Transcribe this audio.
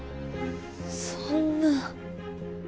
そんな。